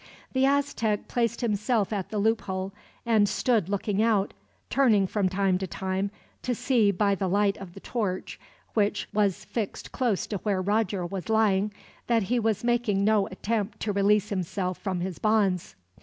The Aztec placed himself at the loophole, and stood looking out; turning, from time to time, to see by the light of the torch, which was fixed close to where Roger was lying, that he was making no attempt to release himself from his bonds.